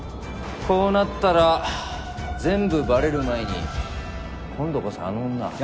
こうなったら全部バレる前に今度こそあの女。